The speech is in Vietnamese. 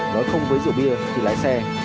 nói không với rượu bia thì lái xe